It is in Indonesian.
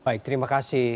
baik terima kasih